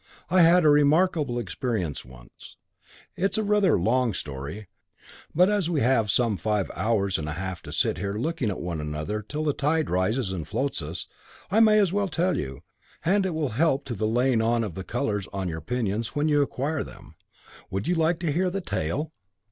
"I had a remarkable experience once. It is a rather long story, but as we have some five hours and a half to sit here looking at one another till the tide rises and floats us, I may as well tell you, and it will help to the laying on of the colours on your pinions when you acquire them. You would like to hear the tale?"